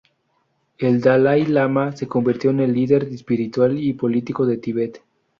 El Dalai Lama se convirtió en el líder espiritual y político del Tíbet.